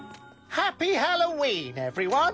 ハッピー・ハロウィーン！